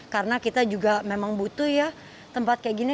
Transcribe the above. karena kita juga memang butuh ya tempat kayak gini